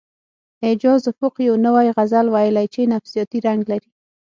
اعجاز افق یو نوی غزل ویلی چې نفسیاتي رنګ لري